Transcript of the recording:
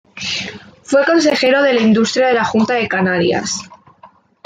Fue Consejero de Industria de la Junta de Canarias.